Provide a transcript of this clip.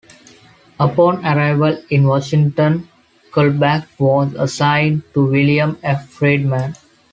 Upon arrival in Washington, Kullback was assigned to William F. Friedman.